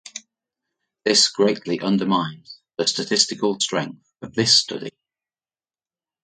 This greatly undermines the statistical strength of this study.